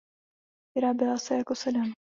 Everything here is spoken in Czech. Vyráběla se jako sedan.